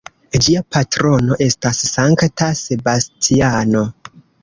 Ĝia patrono estas Sankta Sebastiano.